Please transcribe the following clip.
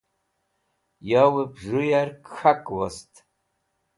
Yowep Z̃hu Yark K̃hak wost